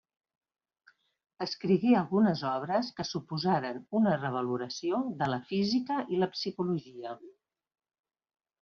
Escrigué algunes obres que suposaren una revaloració de la física i la psicologia.